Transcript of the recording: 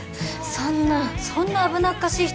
そんなそんな危なっかしい人